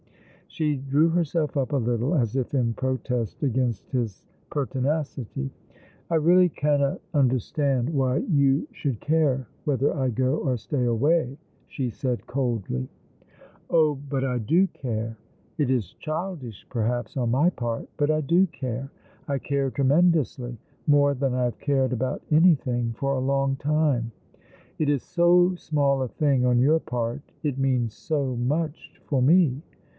She drew herself up a little, as if in protest against his jiertinacity. " I really cannot understand why you should care whether I go or stay away," she said coldly. E 50 All along the River. " oil, but I do care ! It is childish, perhaps, on my part, but I do care ; I care tremendously ; more than I haye cared about anything for a long time. It is so small a thing on your part — it means so much for me